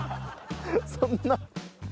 そんな。